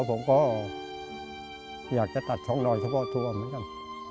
ผมก็อยากจะตัดช้องนอนเฉพาะทั่วไหมกัน